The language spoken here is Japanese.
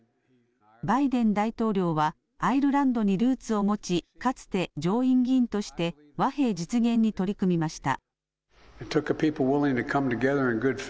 バイデン大統領はアイルランドにルーツを持ち、かつて上院議員として和平実現に取り組みました。